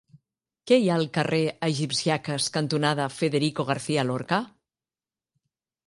Què hi ha al carrer Egipcíaques cantonada Federico García Lorca?